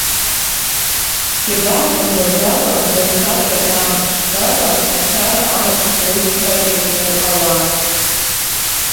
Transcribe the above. Џьабаак мбаӡакәа, баҩхатәрак аамырԥшӡакәа, ачара амаҵ ҳуеит ҳәа иаҿу ауаа.